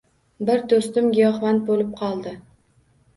Bir do‘stim giyohvand bo‘lib qoldi